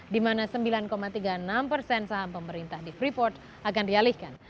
di mana sembilan tiga puluh enam persen saham pemerintah di freeport akan dialihkan